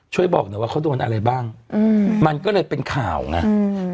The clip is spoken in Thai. ช่วยบอกหน่อยว่าเขาโดนอะไรบ้างอืมมันก็เลยเป็นข่าวไงอืม